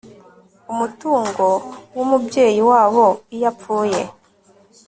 umutungo w'umubyeyi wabo iyo apfuye